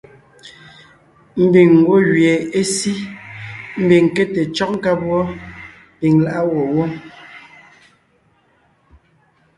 Ḿbiŋ ńgwɔ́ gẅie é sí, ḿbiŋ ńké le cÿɔ́g nkáb wɔ́, piŋ lá’a gwɔ̂ pɔ́ wó.